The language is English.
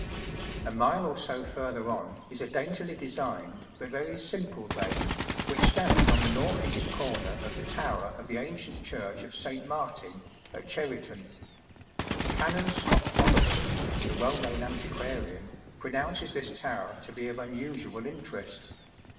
] A mile or so further on is a daintily designed but very simple vane, which stands on the north east corner of the tower of the ancient church of St. Martin at Cheriton. Canon Scott Robertson, the well known antiquarian, pronounces this tower to be of unusual interest.